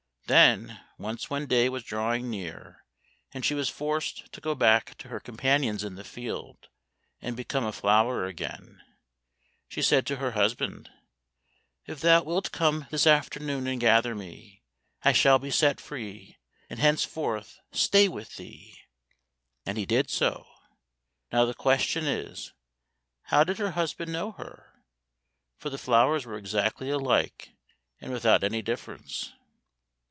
Then once when day was drawing near, and she was forced to go back to her companions in the field and become a flower again, she said to her husband, "If thou wilt come this afternoon and gather me, I shall be set free and henceforth stay with thee." And he did so. Now the question is, how did her husband know her, for the flowers were exactly alike, and without any difference?